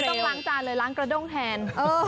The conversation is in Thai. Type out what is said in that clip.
ต้องล้างจานเลยล้างกระด้งแทน